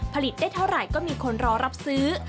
ผลิตได้เท่าไหร่ก็มีคนรอรับซื้อ